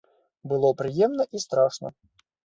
Было прыемна і страшна.